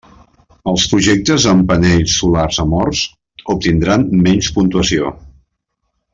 Els projectes amb panells solars amorfs obtindran menys puntuació.